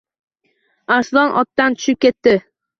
Arslon otdan tushib ketdi